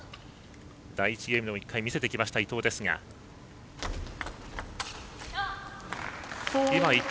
第１ゲームでも１回、見せてきました、伊藤。